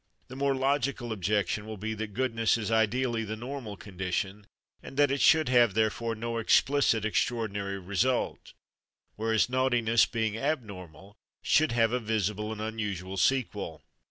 The more logical objection will be that goodness is ideally the normal condition, and that it should have, therefore, no explicit extraordinary result, whereas naughtiness, being abnormal, should have a visible and unusual sequel.